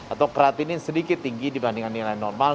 atau kreatinin sedikit tinggi dibandingkan nilai normal